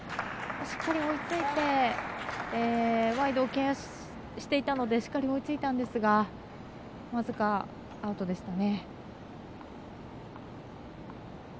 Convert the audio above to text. しっかり追いついてワイドをケアしていたのでしっかり追いついたんですが僅かアウトでしたね。